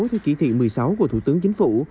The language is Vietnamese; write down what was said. theo chỉ thị một mươi sáu của thủ tướng chính phủ